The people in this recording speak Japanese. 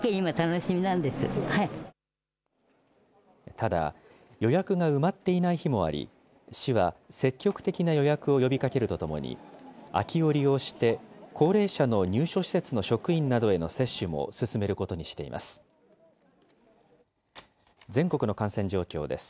ただ、予約が埋まっていない日もあり、市は積極的な予約を呼びかけるとともに、空きを利用して、高齢者の入所施設の職員などへの接種も進めることにしています。